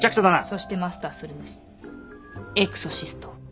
そしてマスターするんですエクソシストを。